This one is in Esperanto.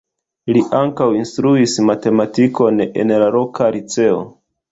Li ankaŭ instruis matematikon en la loka liceo.